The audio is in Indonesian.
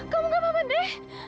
kamu gak apa apa deh